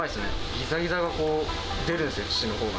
ぎざぎざがこう出るんですよ、父のほうが。